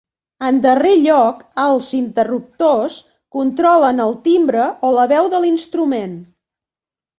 En darrer lloc, els interruptors controlen el timbre o la veu de l'instrument.